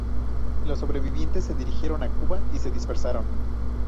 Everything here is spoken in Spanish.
Los sobrevivientes se dirigieron a Cuba y se dispersaron.